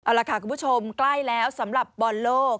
เอาล่ะค่ะคุณผู้ชมใกล้แล้วสำหรับบอลโลก